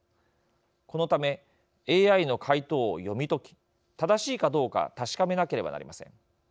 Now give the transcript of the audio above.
このためＡＩの回答を読み解き正しいかどうか確かめなければなりません。